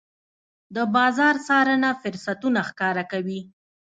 د بازار څارنه فرصتونه ښکاره کوي.